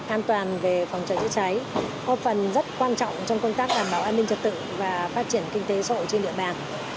an toàn về phòng cháy chữa cháy có phần rất quan trọng trong công tác đảm bảo an ninh trật tự và phát triển kinh tế xã hội trên địa bàn